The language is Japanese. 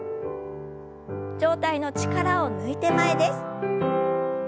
上体の力を抜いて前です。